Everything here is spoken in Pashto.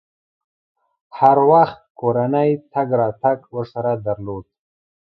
هر وخت کورنۍ تګ راتګ ورسره درلود.